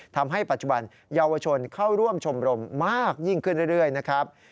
ทำให้ปัจจุบันเยาวชนเข้าร่วมชมรมมากยิ่งขึ้นเรื่อยนะครับ